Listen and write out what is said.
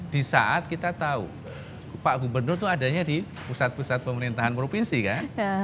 di saat kita tahu pak gubernur itu adanya di pusat pusat pemerintahan provinsi kan